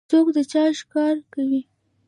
څوک د چا ښکار کوي؟